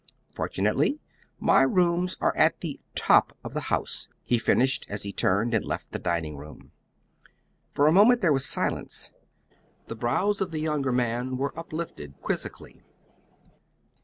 Fortunately my rooms are at the TOP of the house," he finished, as he turned and left the dining room. For a moment there was silence. The brows of the younger man were uplifted quizzically.